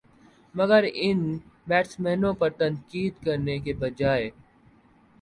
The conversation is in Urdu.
مگر ان بیٹسمینوں پر تنقید کرنے کے بجائے